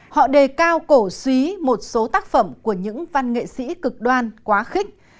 họ đề cao cổ suý một số tác phẩm của những văn nghệ sĩ cực đoan quá khích